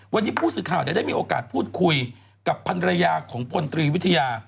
วันนี้ผู้สื่อข่าวได้มีโอกาสพูดคุยกับพันรยาของพลตรีวิทยา